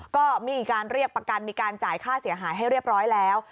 ก็มีการเรียกประกันมีการจ่ายค่าเสียหายให้เรียบร้อยแล้ว